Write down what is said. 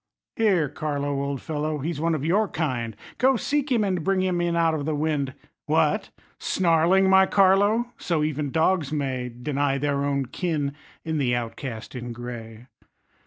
Here, Carlo, old fellow, he's one of your kind, Go, seek him, and bring him in out of the wind. What! snarling, my Carlo! So even dogs may Deny their own kin in the outcast in gray.